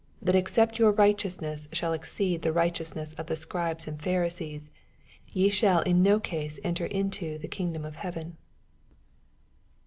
That except your righteousness shall ezoeod ths righteousneifi of the Scribes and Ph%" riseos^ ye shall in no case enter into the kingdom of heaven.